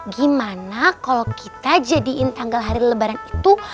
gimana kalau kita jadiin tanggal hari lebaran itu